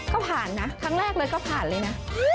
ก็ผ่านนะครั้งแรกเลยก็ผ่านเลยนะ